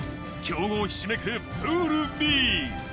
強豪ひしめく、プールＢ。